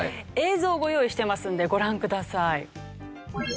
映像をご用意してますのでご覧ください。